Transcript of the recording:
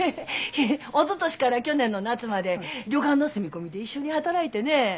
おととしから去年の夏まで旅館の住み込みで一緒に働いてね。